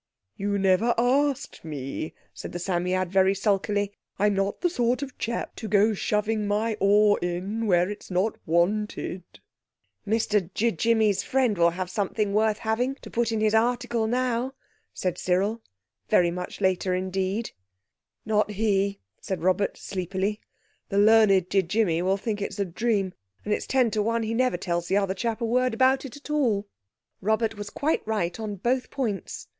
"You never asked me," said the Psammead very sulkily. "I'm not the sort of chap to go shoving my oar in where it's not wanted." "Mr Ji jimmy's friend will have something worth having to put in his article now," said Cyril very much later indeed. "Not he," said Robert sleepily. "The learned Ji jimmy will think it's a dream, and it's ten to one he never tells the other chap a word about it at all." Robert was quite right on both points.